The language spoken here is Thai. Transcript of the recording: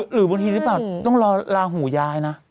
หรือบางทีต้องรอลาหูย้ายนะ